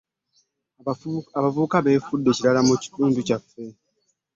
Abavubuka befuddle kirala mu kitundu kyaffe.